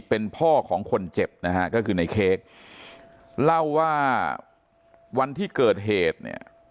เป็นพ่อของคนเจ็บนะฮะก็คือในเค้กเล่าว่าวันที่เกิดเหตุเนี่ย